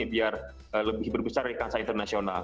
biar lebih berbesar di kanser internasional